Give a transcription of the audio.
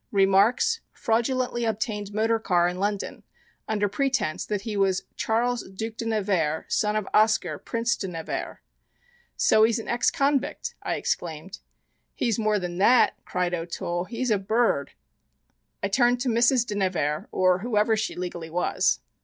REMARKS: Fraudulently obtained motor car in London under pretense that he was Charles Duke de Nevers, son of Oscar, Prince de Nevers." "So he's an ex convict!" I exclaimed. "He's more than that!" cried O'Toole. "He's a bir rd!" I turned to Mrs. de Nevers or whoever she legally was.